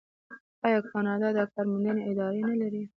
آیا کاناډا د کار موندنې ادارې نلري؟